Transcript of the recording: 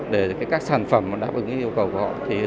để các sản phẩm đáp ứng yêu cầu của doanh nghiệp nhật